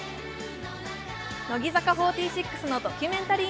乃木坂４６のドキュメンタリー